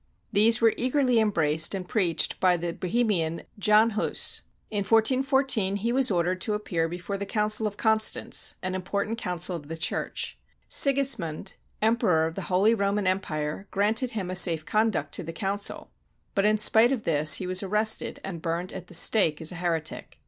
These were eagerly embraced and preached by the Bohemian John Huss. In 1414, he was ordered to appear before the Council of Constance, an important council of the Church. Sigis mund, Emperor of the Holy Roman Empire, granted him a safe conduct to the council; but in spite of this he was ar rested and burned at the stake as a heretic.